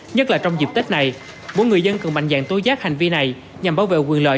nhất là trong dịp tết này mỗi người dân cần mạnh dạng tố giác hành vi này nhằm bảo vệ quyền lợi